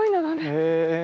へえ。